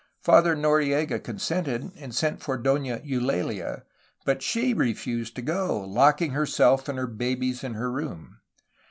Father Noriega consented, and sent for Dona Eulalia, but she refused to go, locking herself and her babies in her room.